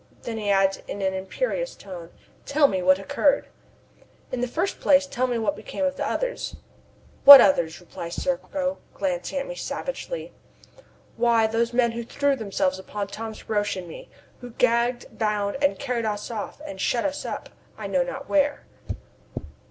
Then he adds in an imperious tone: "Tell me what occurred!" "In the first place, tell me what became of the others." "What others?" replies Serko, glancing at me savagely. "Why, those men who threw themselves upon Thomas Roch and me, who gagged, bound, and carried us off and shut us up, I know not where?"